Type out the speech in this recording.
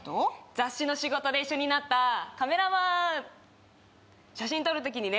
雑誌の仕事で一緒になったカメラマン写真撮るときにね